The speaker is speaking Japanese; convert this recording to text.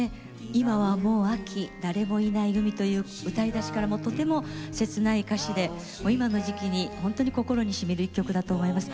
「今はもう秋誰もいない海」という歌いだしからとても切ない歌詞で今の時期に本当に心にしみる一曲だと思います。